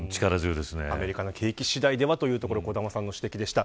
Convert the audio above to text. アメリカの景気次第ではという小玉さんでした。